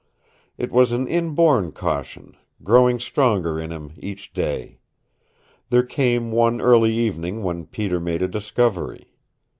It was an inborn caution, growing stronger in him each day. There came one early evening when Peter made a discovery.